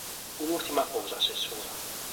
Un’ùrtima cosa, Assessora.